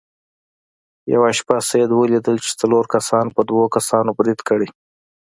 یوه شپه سید ولیدل چې څلورو کسانو په دوو کسانو برید کړی.